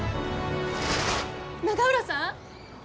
永浦さん？